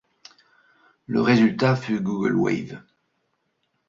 Le résultat fut Google Wave.